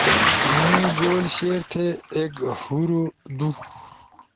می گول شیئر تھے، ایک، ہورو، دُو